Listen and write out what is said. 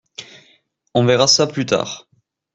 On verra ça plus tard.